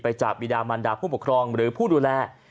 จากบิดามันดาผู้ปกครองหรือผู้ดูแล